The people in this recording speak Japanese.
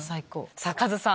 さぁカズさん